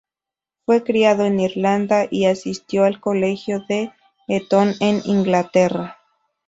Fue criado en Irlanda y asistió al colegio de Eton en Inglaterra.